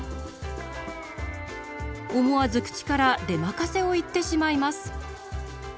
思わず口から出まかせを言ってしまいます。